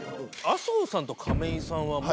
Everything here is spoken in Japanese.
麻生さんと亀井さんは。